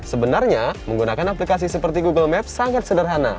sebenarnya menggunakan aplikasi seperti google map sangat sederhana